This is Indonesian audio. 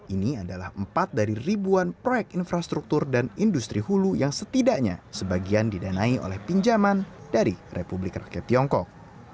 ini adalah empat dari ribuan proyek infrastruktur dan industri hulu yang setidaknya sebagian didanai oleh pinjaman dari republik rakyat tiongkok